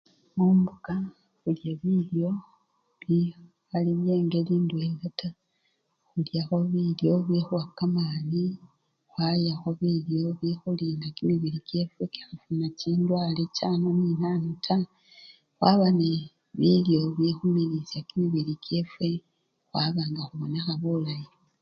Mumbuka indyakho bilyo bikhali byengeli ndwela taa, indyakho bilyo bikuwa kamani, khwalyakho bilyo bikhulinda kimibili kyefwe khwala khufuna chindwale chano nechano taa, khwaba nebilyo bikhumilisya kimibili kyefwe khwaba nga khubonekha bulayi.